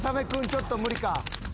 ちょっと無理か。